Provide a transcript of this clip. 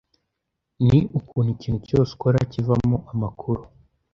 ni ukuntu ikintu cyose ukora kivamo amakuru